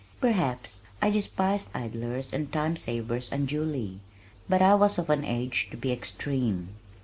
Perhaps I despised idlers and time savers unduly, but I was of an age to be extreme.